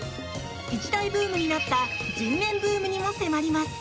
一大ブームになった人面ブームにも迫ります。